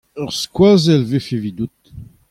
Ur skoazell e vefe evidout.